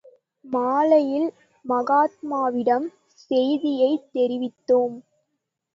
மாலையில் மகாத்மாவிடம் செய்தியைத் தெரிவித்தோம்.